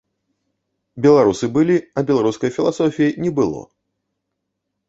Беларусы былі, а беларускай філасофіі не было!